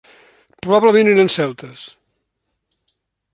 Probablement eren celtes.